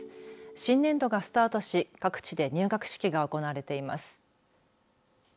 新年度がスタートし各地で入学式が行われています。